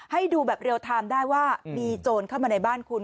ให้ดูแบบเรียลไทม์ได้ว่ามีโจรเข้ามาในบ้านคุณ